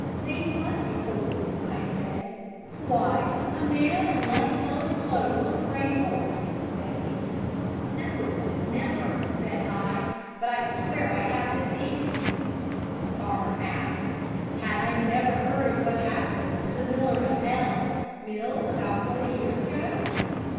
"'"Seen what before?" I said. "'"Why, a man in light coloured clothes on a grey horse," said he. "'"No, never," said I, "but I swear I have this evening." "'The farmer asked, "Had I never heard of what happened to the Miller of L Mills about forty years ago?"